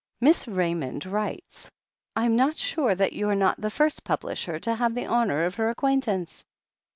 "Miss Raymond writes. I'm not sure that you're not the first publisher to have the honour of her ac quaintance.